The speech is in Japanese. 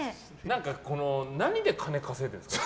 何で金稼いでいるんですか？